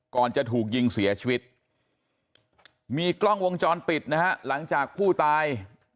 ก่อนจะถูกยิงเสียชีวิตมีกล้องวงจรปิดนะฮะหลังจากผู้ตาย